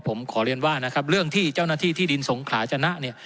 ผมขอเรียนว่านะครับเรื่องที่เจ้าหน้าที่ที่ดินสงขลาชนะเนี่ย